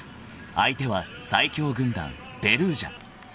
［相手は最強軍団ペルージャ］